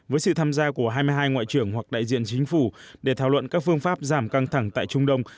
với sự tham gia của hai mươi hai ngoại trưởng hoặc đại diện chính phủ để thảo luận các phương pháp giảm căng thẳng tại trung đông